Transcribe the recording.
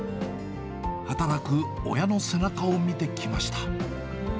働く親の背中を見てきました。